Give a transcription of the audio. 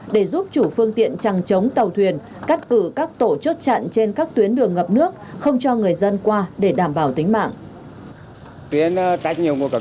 để giúp chủ phương tiện chẳng chống tàu thuyền cắt cử các tổ chốt chặn trên các tuyến đường ngập nước không cho người dân qua để đảm bảo tính mạng